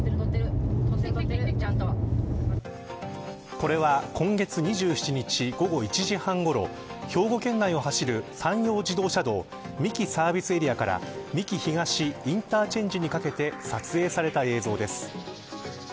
これは今月２７日午後１時半ごろ兵庫県内を走る山陽自動車道三木サービスエリアから三木東インターチェンジにかけて撮影された映像です。